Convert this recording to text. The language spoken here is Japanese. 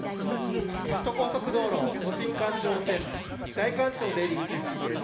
首都高速道路都心環状線代官町出口付近です。